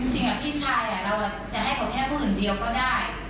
จริงอ่ะพี่ชัยอ่ะเราอ่ะจะให้ของแค่พวกอื่นเดียวก็ได้